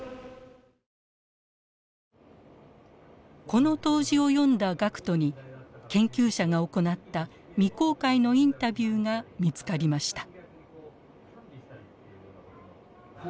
この答辞を読んだ学徒に研究者が行った未公開のインタビューが見つかりました。